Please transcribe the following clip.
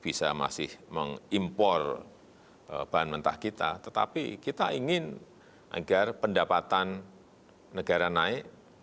kita masih mengimpor bahan mentah kita tetapi kita ingin agar pendapatan negara naik